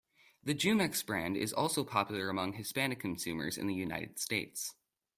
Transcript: The Jumex brand is also popular among Hispanic consumers in the United States.